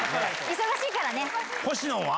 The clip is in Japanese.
忙しいからね。